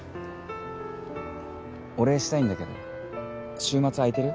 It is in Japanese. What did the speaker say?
お礼したいんだけど週末空いてる？